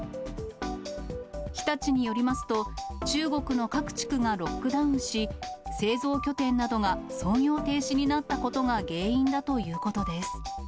日立によりますと、中国の各地区がロックダウンし、製造拠点などが操業停止になったことが原因だということです。